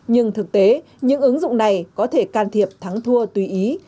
nhưng thực tế những ứng dụng này có thể can thiệp thắng thua tùy ý